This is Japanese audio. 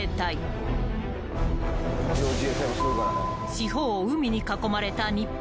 ［四方を海に囲まれた日本］